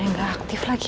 teleponnya gak aktif lagi